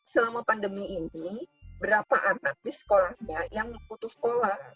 selama pandemi ini berapa anak di sekolahnya yang putus sekolah